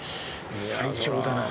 最強だな。